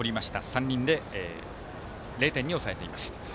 ３人で０点に抑えています。